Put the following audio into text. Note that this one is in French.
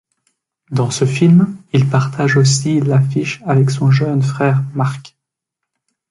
Dans ce film, il partage aussi l'affiche avec son jeune frère Marc.